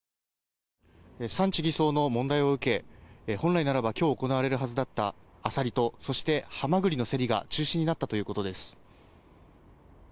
産地偽装の問題を受け本来ならば今日行われるはずだったアサリとハマグリの競りが中止になったということです。